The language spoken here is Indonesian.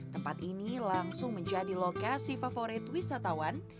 tempat ini langsung menjadi lokasi favorit wisatawan